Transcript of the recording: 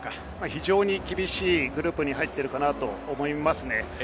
非常に厳しいグループに入っていると思います。